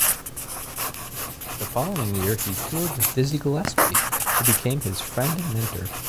The following year he toured with Dizzy Gillespie, who became his friend and mentor.